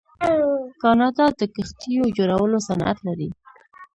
کاناډا د کښتیو جوړولو صنعت لري.